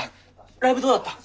ライブどうだった？